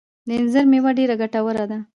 د انځر مېوه ډیره ګټوره ده